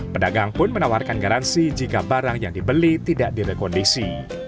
pedagang pun menawarkan garansi jika barang yang dibeli tidak direkondisi